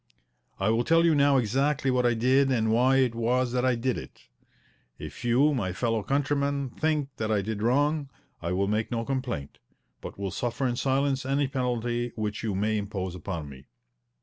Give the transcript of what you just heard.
I will tell you now exactly what I did and why it was that I did it. If you, my fellow countrymen, think that I did wrong, I will make no complaint, but will suffer in silence any penalty which you may impose upon me.